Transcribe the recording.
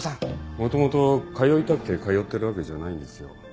もともと通いたくて通ってるわけじゃないんですよ。